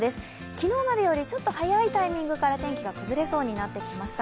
昨日までよりちょっと早いタイミングから天気が崩れそうになってきました。